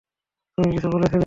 তুমি কিছু বলেছিলে?